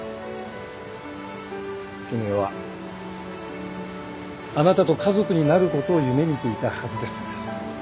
絹代はあなたと家族になることを夢見ていたはずです。